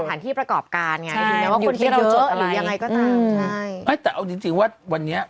อะไรเอ้าจริงว่าวันนี้